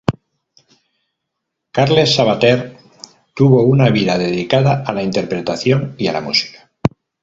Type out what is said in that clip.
Carles Sabater tuvo una vida dedicada a la interpretación y a la música.